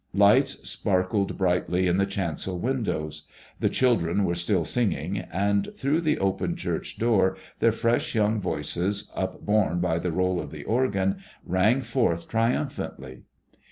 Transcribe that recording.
Lights sparkled brightly in the chancel windows. The children were still singing, and through the open church door their fresh young voices, upborne by the roll of the organ, rang forth triumphantly.